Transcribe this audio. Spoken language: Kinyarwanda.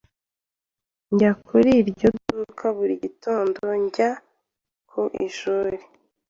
Njya kuri iryo duka buri gitondo njya ku ishuri.